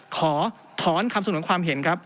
ขอถอนคำสนุนความเห็นครับ